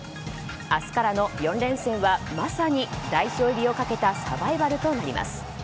明日からの４連戦はまさに代表入りをかけたサバイバルとなります。